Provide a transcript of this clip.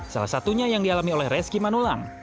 salah satunya yang dialami oleh reski manulang